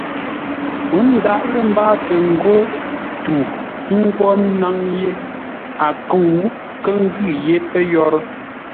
Ə́ ndǎʼ lə́ mbâatə ngô tu ńgwó ńnáŋ yé a kə̂u nkə́ ngʉ́ yé pə́ yórə́.